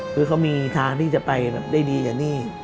คือเขามีทางที่จะไปได้ดีกว่านี่